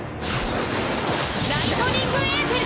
ライトニングエーテル！